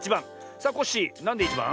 さあコッシーなんで１ばん？